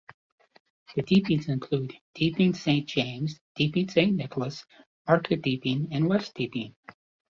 The Deepings include: Deeping Saint James, Deeping Saint Nicholas, Market Deeping and West Deeping.